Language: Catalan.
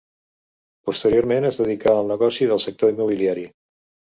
Posteriorment es dedicà al negoci del sector immobiliari.